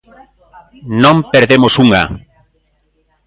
Non perdemos unha.